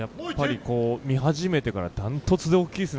見始めてから断トツで大きいですね。